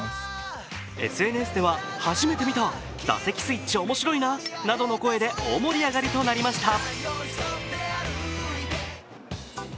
ＳＮＳでは、初めて見た、打席スイッチおもしろいななどの声で大盛り上がりとなりました。